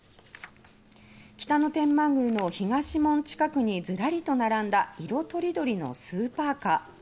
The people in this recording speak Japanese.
北野天満宮の東門近くにズラリと並んだ色とりどりのスーパーカー。